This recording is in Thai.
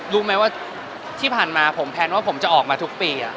รู้ไหมว่าที่ผ่านมาผมแพลนว่าผมจะออกมาทุกปี